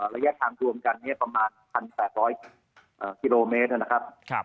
ระยะทางรวมกันประมาณ๑๘๐๐กิโลเมตรนะครับ